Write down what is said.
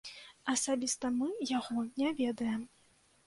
Асабіста мы яго не ведаем.